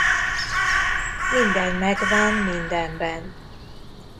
Minden megvan mindenben.